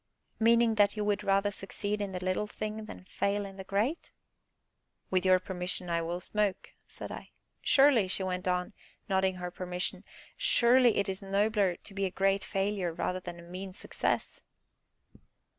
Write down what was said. "Meaning that you would rather succeed in the little thing than fail in the great?" "With your permission, I will smoke," said I. "Surely," she went on, nodding her permission, "surely it is nobler to be a great failure rather than a mean success?"